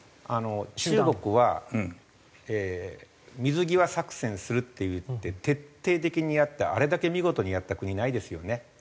中国は水際作戦するっていって徹底的にやってあれだけ見事にやった国ないですよね。